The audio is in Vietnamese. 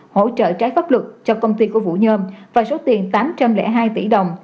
hỗ trợ trái pháp luật cho công ty của vũ nhơn và số tiền tám trăm linh hai tỷ đồng